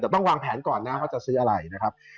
แต่ต้องวางแผนก่อนนะเขาจะซื้ออะไรนะครับ